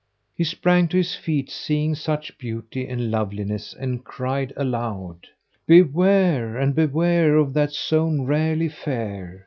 He sprang to his feet seeing such beauty and loveliness, and cried aloud, "Beware and beware of that zone rarely fair!"